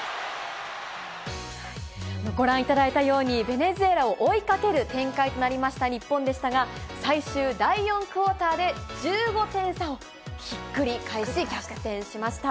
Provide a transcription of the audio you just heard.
ご覧いただいたように、ベネズエラを追いかける展開となりました日本でしたが、最終、第４クオーターで１５点差をひっくり返し逆転しました。